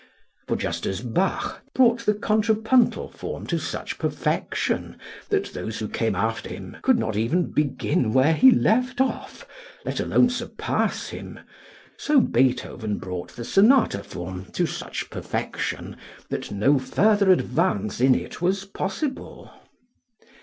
For just as Bach brought the contrapuntal form to such perfection that those who came after him could not even begin where he left off, let alone surpass him, so Beethoven brought the sonata form to such perfection that no further advance in it was possible.